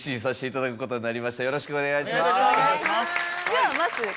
よろしくお願いします。